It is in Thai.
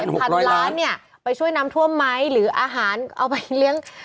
พันล้านเนี่ยไปช่วยน้ำท่วมไหมหรืออาหารเอาไปเลี้ยง